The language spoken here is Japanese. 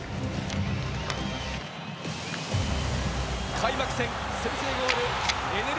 開幕戦、先制ゴールエネル